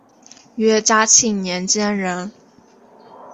约嘉庆年间人。